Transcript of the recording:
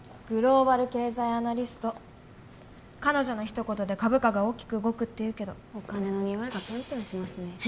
グローバル経済アナリスト彼女の一言で株価が大きく動くっていうけどお金のニオイがプンプンしますね